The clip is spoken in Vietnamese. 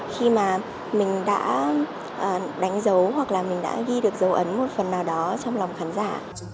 khi mà mình đã đánh dấu hoặc là mình đã ghi được dấu ấn một phần nào đó trong lòng khán giả